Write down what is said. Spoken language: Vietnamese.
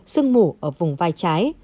sưng mủ ở vùng vai trái